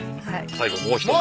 最後もう一品。